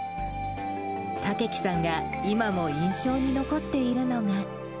岳樹さんが今も印象に残っているのが。